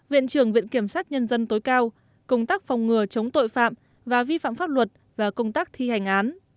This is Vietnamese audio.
viện trưởng viện kiểm sát nhân dân tối cao công tác phòng ngừa chống tội phạm và vi phạm pháp luật và công tác thi hành án